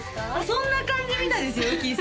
そんな感じみたいですよキイ